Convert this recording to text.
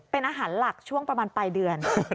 เป็นอาหารหลักช่วงประมาณปลายเดือน